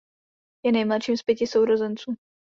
Je nejmladším z pěti sourozenců.